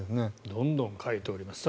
どんどん変えております。